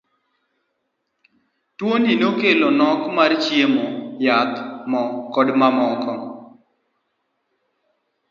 Tuo ni nokelo nok mar chiemo, yath, moo koda mamoko.